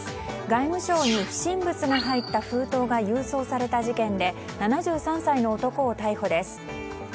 外務省に不審物が入った封筒が郵送された事件で７３歳の男を逮捕です。